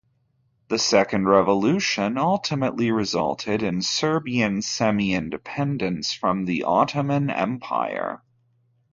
The second revolution ultimately resulted in Serbian semi-independence from the Ottoman Empire.